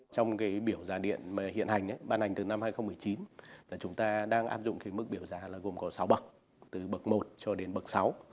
trong biểu giá điện hiện hành ban hành từ năm hai nghìn một mươi chín chúng ta đang áp dụng mức biểu giá gồm có sáu bậc từ bậc một cho đến bậc sáu